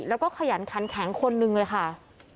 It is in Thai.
แล้วก็ขยันขันแข็งคนนึงเลยค่ะ